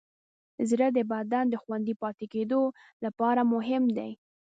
زړه د بدن د خوندي پاتې کېدو لپاره مهم دی.